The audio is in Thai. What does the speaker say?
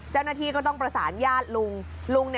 เจ้าหน้าที่ก็ต้องประสานญาติลุงลุง